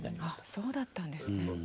そうだったんですね。